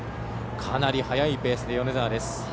かなり速いペースで米澤です。